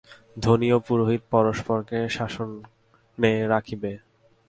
ধনী ও পুরোহিত পরস্পরকে শাসনে রাখিবে।